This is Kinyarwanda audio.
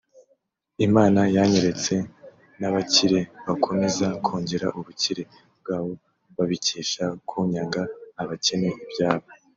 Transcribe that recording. “Imana yanyeretse n’abakire bakomeza kongera ubukire bwabo babikesha kunyaga abakene ibyabo